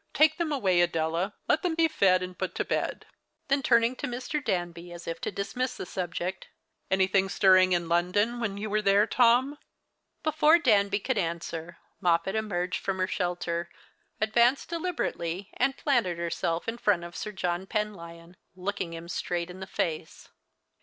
Take them away, Adela. Let them be fed and put to bed ;" then turning to Mr. Danby as if to dismiss the subject, " Anything stirring in London when you were there, Tom ?" The Christmas Hirelings. 99 Before Danby could answer, Moj^pet emerged from her shelter, advanced deliberately, and planted herself in front of Sir John Penlyon, looking him straight in the face.